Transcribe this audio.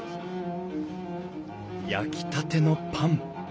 焼きたてのパン。